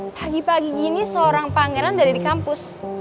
pagi pagi gini seorang pangeran udah ada di kampus